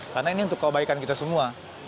karena ini untuk kebaikan kita semua